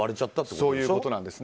そういうことです。